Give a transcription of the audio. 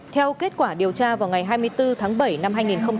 theo kết quả điều tra vào ngày hai mươi bốn tháng bảy năm hai nghìn một mươi chín